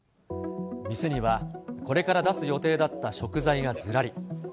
店にはこれから出す予定だった食材がずらり。